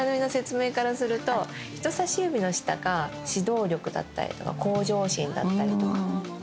人さし指の下が指導力だったりとか向上心だったりとか。